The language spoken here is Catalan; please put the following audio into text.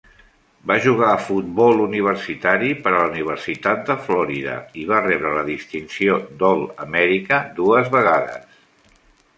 Va jugar a futbol universitari per a la Universitat de Florida i va rebre la distinció d'All-Americà dues vegades.